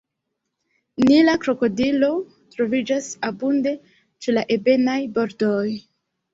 Nila krokodilo troviĝas abunde ĉe la ebenaj bordoj.